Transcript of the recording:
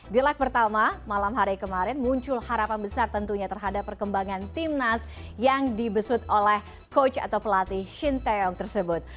di lag pertama malam hari kemarin muncul harapan besar tentunya terhadap perkembangan timnas yang dibesut oleh coach atau pelatih shin taeyong tersebut